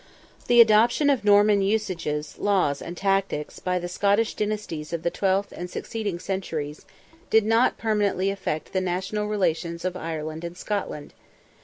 The adoption of Norman usages, laws, and tactics, by the Scottish dynasties of the twelfth and succeeding centuries, did not permanently affect the national relations of Ireland and Scotland.